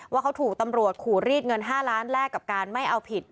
ว่าเขาถูกตำรวจขู่รีดเงิน๕ล้านแลกกับการไม่เอาผิด